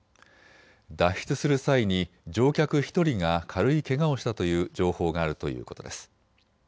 脱出する際に乗客１人が軽いけがをしたという情報があるということです。